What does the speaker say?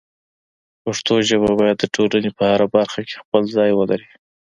پښتو ژبه باید د ټولنې په هره برخه کې خپل ځای ولري.